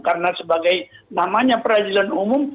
karena sebagai namanya peradilan umum